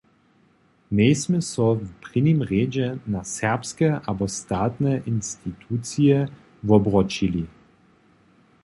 Njejsmy so w prěnim rjedźe na serbske abo statne institucije wobroćili.